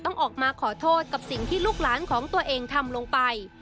ต้องออกมาขอโทษกับสิ่งที่ลูกหลานของตัวเองทำลงไป